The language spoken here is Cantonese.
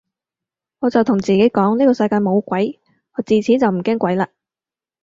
我就同自己講呢個世界冇鬼，我自此就唔驚鬼嘞